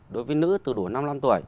đối với nữ từ đủ năm mươi năm tuổi